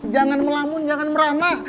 jangan melamun jangan meramah